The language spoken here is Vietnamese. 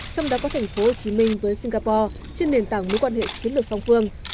trong đó có tp hcm với singapore trên nền tảng mối quan hệ chiến lược song phương